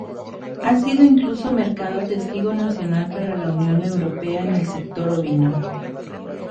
Ha sido incluso Mercado Testigo Nacional para la Unión Europea en el sector ovino.